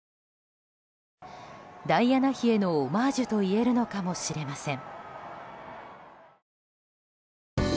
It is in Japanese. ダイアナ妃へのオマージュといえるのかもしれません。